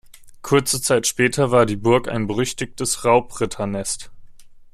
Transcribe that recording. Kurze Zeit später war die Burg ein berüchtigtes Raubritternest.